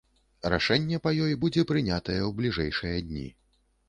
Рашэнне па ёй будзе прынятае ў бліжэйшыя дні.